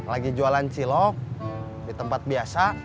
lagi jualan cilok di tempat biasa